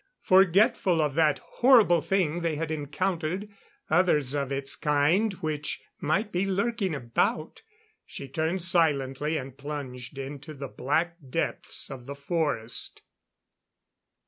Forgetful of that horrible thing they had encountered others of its kind which might be lurking about she turned silently and plunged into the black depths of the forest.